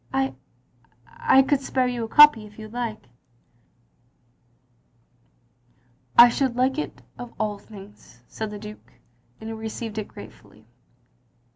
I — I could spare you a copy if you liked." " I should like it of all things, " said the Duke, and he received it gratefully.